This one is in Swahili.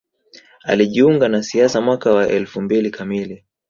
Alijiunga na siasa mwaka wa elfu mbili kamili